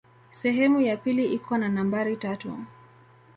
Sehemu ya pili iko na nambari tatu.